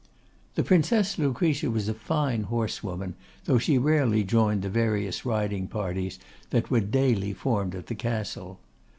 The Princess Lucretia was a fine horse woman, though she rarely joined the various riding parties that were daily formed at the Castle.